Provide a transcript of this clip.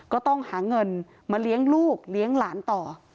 ก็ต้องหาเงินมาเลี้ยงลูกเลี้ยงหลานต่อ